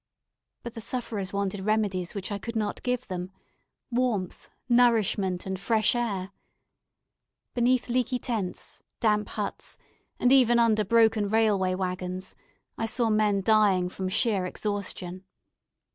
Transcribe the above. But the sufferers wanted remedies which I could not give them warmth, nourishment, and fresh air. Beneath leaky tents, damp huts, and even under broken railway waggons, I saw men dying from sheer exhaustion.